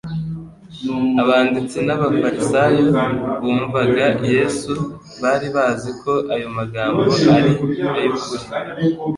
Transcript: Abanditsi n'abafarisayo bumvaga Yesu bari bazi ko ayo magambo ari ay'ukuri.